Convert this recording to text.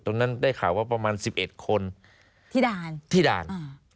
ได้ข่าวว่าประมาณสิบเอ็ดคนที่ด่านที่ด่าน